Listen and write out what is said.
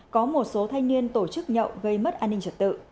có một số thanh niên tổ chức nhậu gây mất an ninh trật tự